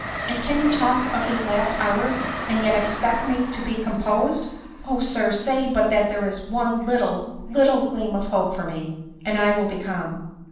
" And can you talk of bis ' last hours, ' and yet expect me to be composed ? O sir ! say but that there is one lit tle, little gleam of hope for me, and I will be calm."